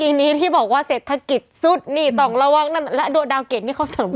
ที่หง่าถึงว่าเศรษฐกิจสุดต่อละวังดาวเกรดนี่เขาเสริมใคร